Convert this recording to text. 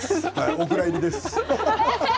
お蔵入りです。